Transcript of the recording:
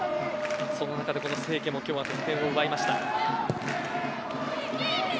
その中でこの清家も今日は得点王を奪いました。